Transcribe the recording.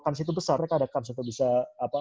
kans itu besar mereka ada kans untuk bisa